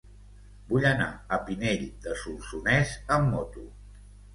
Vull anar a Pinell de Solsonès amb moto.